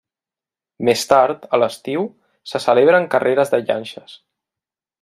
Més tard, a l'estiu, se celebren carreres de llanxes.